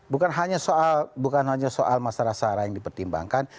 bukan hanya soal masalah searah yang dipertimbangkan